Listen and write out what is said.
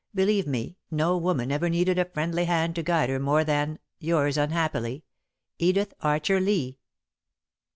Believe me, no woman ever needed a friendly hand to guide her more than "'Yours unhappily, "'EDITH ARCHER LEE.'"